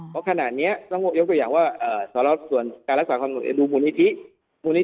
เพราะขนาดเนี้ยต้องยกกับอย่างว่าสำหรับส่วนการรักษาความสมบูรณ์เรียบร้อยเนี่ยดูมูลนิธิ